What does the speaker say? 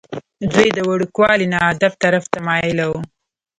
دوي د وړوکوالي نه ادب طرف ته مائله وو ۔